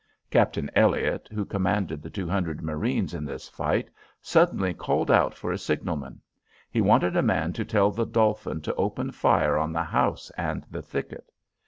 Captain Elliott, who commanded the two hundred marines in this fight, suddenly called out for a signalman. He wanted a man to tell the Dolphin to open fire on the house and the thicket.